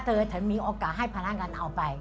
เธอฉันมีโอกาสให้พนักงานเอาไป